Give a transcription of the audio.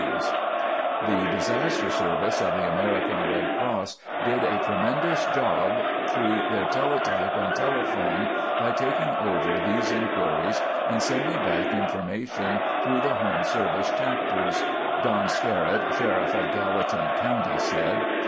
(Lewis—Montana Standard)] "The Disaster Service of the American Red Cross did a tremendous job through their teletype and telephone by taking over these inquiries and sending back information through the Home Service chapters," Don Skerritt, Sheriff of Gallatin County, said.